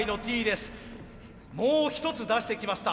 もう一つ出してきました。